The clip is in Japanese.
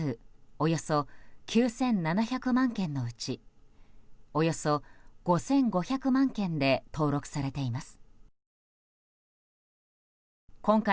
およそ９７００万件のうちおよそ５５００万件で登録されています。